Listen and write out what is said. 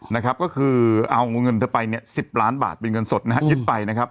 นะครับก็คือเอาเงินเธอไปเนี่ย๑๐ล้านบาทเป็นเงินสดนะฮะยึดไปนะครับ